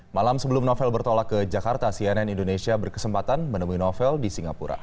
malam sebelum novel bertolak ke jakarta cnn indonesia berkesempatan menemui novel di singapura